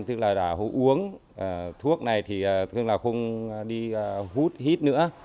tức là uống thuốc này thì không đi hút hít nữa